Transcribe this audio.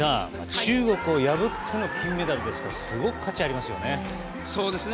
中国を破っての金メダルですからすごく価値ありますよね。